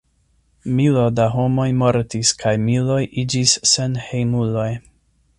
Milo da homoj mortis kaj miloj iĝis senhejmuloj.